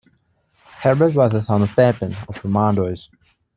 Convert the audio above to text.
Herbert was the son of Pepin of Vermandois.